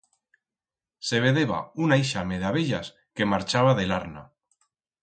Se vedeba una ixame de abellas que marchaba de l'arna.